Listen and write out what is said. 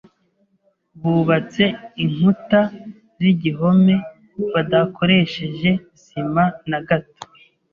Bubatse inkuta z'igihome badakoresheje sima na gato.